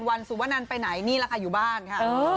วันสู่ว่านั้นไปไหนนี่แหละค่ะอยู่บ้านค่ะ